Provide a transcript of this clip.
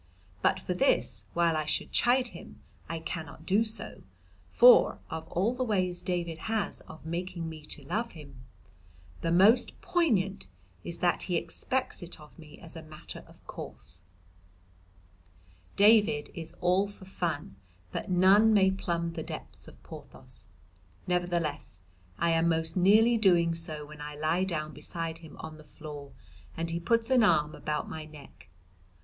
But for this, while I should chide him I cannot do so, for of all the ways David has of making me to love him the most poignant is that he expects it of me as a matter of course. David is all for fun, but none may plumb the depths of Porthos. Nevertheless I am most nearly doing so when I lie down beside him on the floor and he puts an arm about my neck.